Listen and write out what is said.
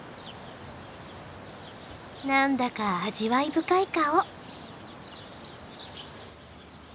何だか味わい深い顔。